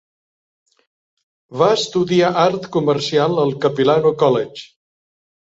Va estudiar art comercial al Capilano College.